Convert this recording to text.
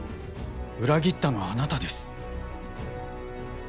裏切ったのはあなたです！